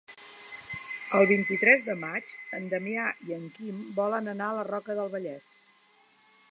El vint-i-tres de maig en Damià i en Quim volen anar a la Roca del Vallès.